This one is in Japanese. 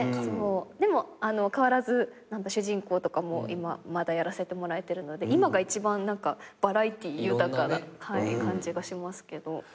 でも変わらず主人公とかもまだやらせてもらえてるので今が一番バラエティー豊かな感じがしますけど。